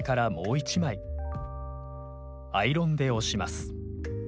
一枚アイロンで押します。